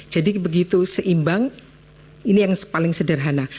jadi begitu seimbang ini yang paling sederhana